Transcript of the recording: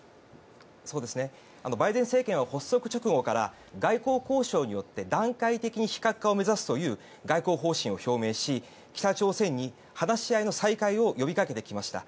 バイデン政権は発足直後から外交交渉によって段階的に非核化を目指すという外交方針を表明し北朝鮮に話し合いの再開を呼びかけてきました。